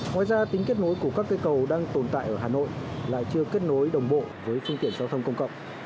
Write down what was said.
ngoài ra tính kết nối của các cây cầu đang tồn tại ở hà nội là chưa kết nối đồng bộ với phương tiện giao thông công cộng